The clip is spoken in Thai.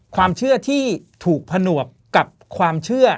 ความเชื่อที่ถูกผนวกกับความเชื่อ